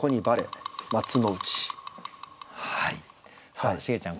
さあシゲちゃん